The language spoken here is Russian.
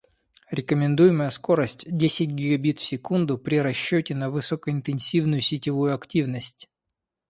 Рекомендуемая скорость десять гигабит в секунду при расчете на высокоинтенсивную сетевую активность